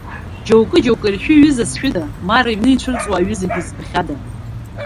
Џьоукы-џьоукы иршәу аҩыза зшәыда, ма рыҩны ицәырҵуа аҩызагьы збахьада!